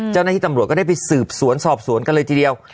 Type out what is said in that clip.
เจ้าหน้าที่ตำรวจก็ได้ไปสืบสวนสอบสวนกันเลยทีเดียว